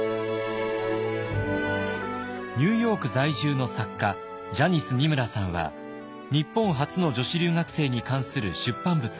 ニューヨーク在住の作家ジャニス・ニムラさんは日本初の女子留学生に関する出版物があります。